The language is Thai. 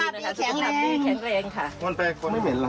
แล้วรู้สึกยังไงที่อย่างแบบนี้